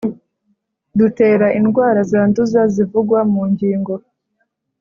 Dutera indwara zanduza zivugwa mu ngingo